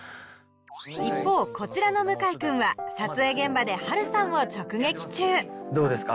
一方こちらの向井くんは撮影現場で波瑠さんを直撃中どうですか？